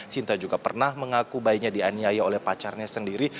sinta juga pernah mengaku bayinya dianiaya oleh pacarnya sendiri